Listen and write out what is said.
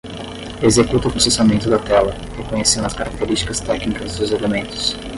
Executa o processamento da tela, reconhecendo as características técnicas dos elementos.